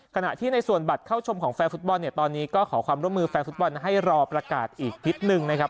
ขณะที่ในส่วนบัตรเข้าชมของแฟนฟุตบอลเนี่ยตอนนี้ก็ขอความร่วมมือแฟนฟุตบอลให้รอประกาศอีกนิดนึงนะครับ